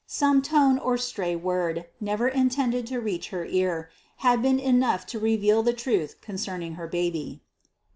Some tone or stray word, never intended to reach her ear, had been enough to reveal the truth concerning her baby.